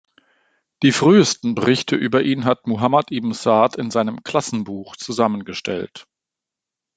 Die frühesten Berichte über ihn hat Muhammad ibn Saʿd in seinem "„Klassenbuch“" zusammengestellt.